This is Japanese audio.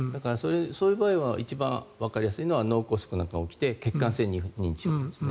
そういう場合は一番わかりやすいのは脳梗塞が起きて血管性認知症ですね。